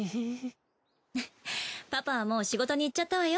パパはもう仕事に行っちゃったわよ。